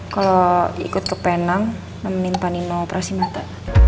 kalau ikut ke penang nemenin pak nino operasi mata